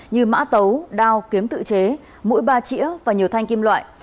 như mã tấu đao kiếm tự chế mũi ba chĩa và nhiều thanh kim loại